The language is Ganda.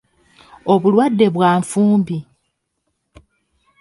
Obulwadde bwa nfumbi.